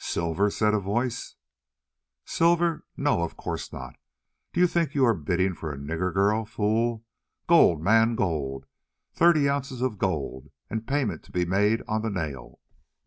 "Silver?" said a voice. "Silver? No, of course not. Do you think you are bidding for a nigger girl, fool? Gold, man, gold! Thirty ounces of gold, and payment to be made on the nail."